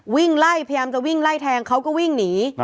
วิ่งไล่พยายามจะวิ่งไล่แทงเขาก็วิ่งหนี